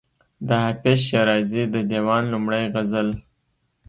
د حافظ شیرازي د دېوان لومړی غزل.